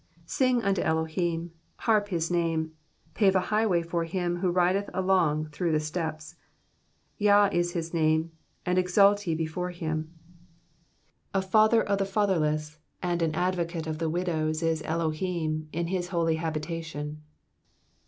5 Sing unto Elohim, harp His name, Pave a highway for Him who rideth along through the steppes ; Jah is his name, and exult ye before Him. 6 A Father of the fatherless and an Advocate of the widows Is Elohim in his Holy habitation.